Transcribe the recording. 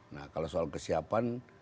nah kalau soal kesiapan